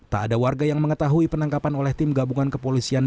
tak ada warga yang mengetahui penangkapan oleh tim gabungan kepolisian